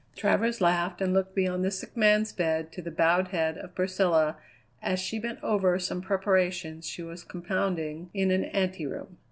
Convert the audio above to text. Travers laughed and looked beyond the sick man's bed to the bowed head of Priscilla as she bent over some preparation she was compounding in an anteroom.